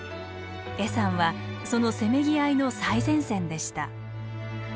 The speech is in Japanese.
恵山はそのせめぎ合いの最前線でした。